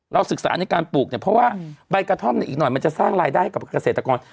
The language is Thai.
ศึกษาในการปลูกเนี่ยเพราะว่าใบกระท่อมอีกหน่อยมันจะสร้างรายได้ให้กับเกษตรกร